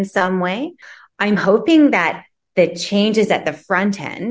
saya harapkan perubahan di bagian depan